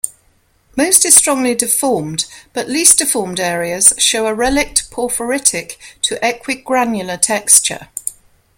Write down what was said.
Most is strongly deformed, but least-deformed areas show a relict porphyritic to equigranular texture.